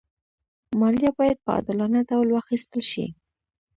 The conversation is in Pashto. مالیه باید په عادلانه ډول واخېستل شي.